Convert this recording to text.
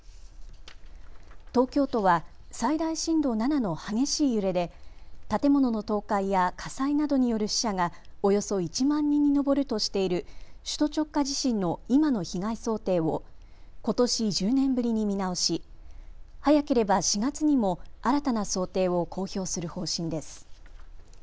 東京都は最大震度７の激しい揺れで建物の倒壊や火災などによる死者が、およそ１万人に上るとしている首都直下地震の今の被害想定をことし１０年ぶりに見直し早ければ４月にも新たな想定を公表する方針です。